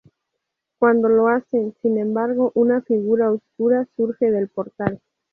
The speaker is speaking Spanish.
Cuando lo hacen, sin embargo, una figura oscura surge del portal.